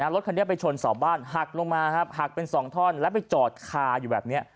รถคันนี้ไปชนเสาบ้านหักลงมาครับหักเป็น๒ท่อนแล้วไปจอดคาอยู่แบบนี้